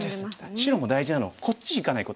白も大事なのはこっちいかないことですね。